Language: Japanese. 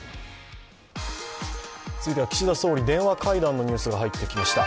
続いては、岸田総理電話会談のニュースが入ってきました。